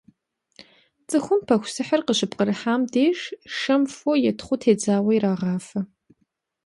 ЦӀыхум пыхусыхур къыщыпкърыхьам деж шэм фо е тхъу тедзауэ ирагъафэ.